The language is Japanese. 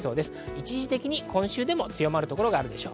一時的に今週でも強まる所があるでしょう。